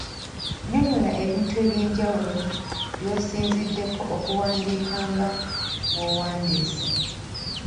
Nnyonnyola ebintu eby'enjawulo by'osinziddeko okuwandiika nga bw'owandiise.